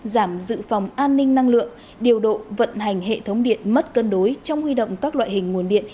giảm dự phòng an ninh năng lượng điều độ vận hành hệ thống điện mất cân đối trong huy động các loại hình nguồn điện